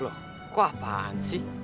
loh kok apaan sih